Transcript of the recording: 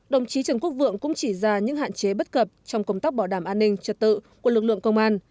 đồng chí trần quốc vượng cũng chỉ ra những hạn chế bất cập trong công tác bảo đảm an ninh trật tự của lực lượng công an